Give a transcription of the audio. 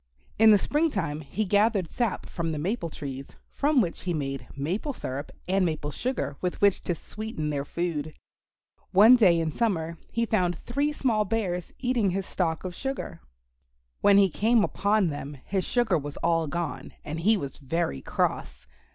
In the spring time he gathered sap from the maple trees, from which he made maple syrup and maple sugar with which to sweeten their food. One day in summer he found three small bears eating his stock of sugar. When he came upon them, his sugar was all gone, and he was very cross.